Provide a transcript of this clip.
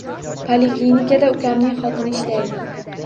Poliklinikada ukamning xotini ishlaydi